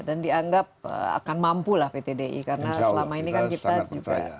dan dianggap akan mampu lah pt di karena selama ini kan kita juga